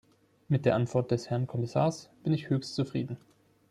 Mit der Antwort des Herrn Kommissars bin ich höchst zufrieden.